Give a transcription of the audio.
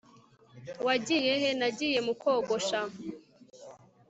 wagiye he? nagiye mu kogosha